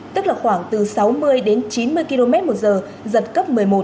tức là khoảng từ sáu mươi đến chín mươi km một giờ giật cấp một mươi một